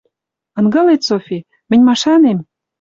Ынгылет, Софи, мӹнь машанем